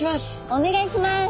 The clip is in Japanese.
お願いします。